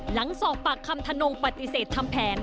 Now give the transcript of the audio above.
หลังสอบปากคำธนงปฏิเสธทำแผน